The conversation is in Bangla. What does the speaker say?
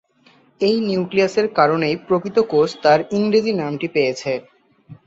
এই নিউক্লিয়াসের কারণেই প্রকৃত কোষ তার ইংরেজি নামটি পেয়েছে।